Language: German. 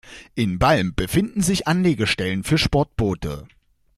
In Balm befinden sich Anlegestellen für Sportboote.